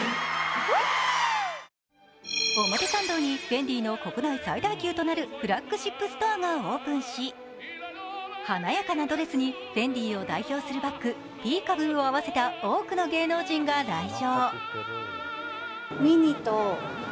表参道にＦＥＮＤＩの国内最大級となるフラッグシップストアがオープンし華やかなドレスにＦＥＮＤＩを代表するバッグ、ピーカブーを合わせた多くの芸能人が来場。